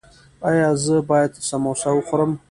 ایا زه باید سموسه وخورم؟